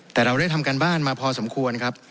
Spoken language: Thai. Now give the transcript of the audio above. แต่เราได้ทำการบ้านมาพอสมควรครับ